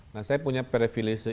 nah saya punya privilege